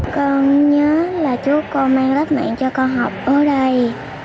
con nhớ là chú con mang rất mạnh cho con học ở đây